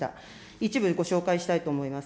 一部ご紹介したいと思います。